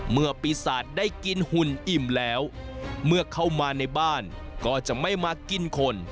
เมื่อปีศาจได้กินหุ่นอิ่มแล้วเมื่อเข้ามาในบ้านก็จะไม่มากินคน